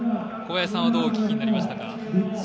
小林さんはどうお聞きになりましたか？